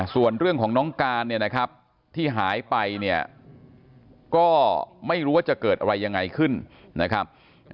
ส่วนเรื่องของน้องการเนี่ยนะครับที่หายไปเนี่ยก็ไม่รู้ว่าจะเกิดอะไรยังไงขึ้นนะครับ